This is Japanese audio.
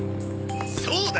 そうだ！